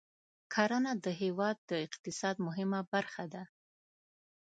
کرنه د هېواد د اقتصاد مهمه برخه ده.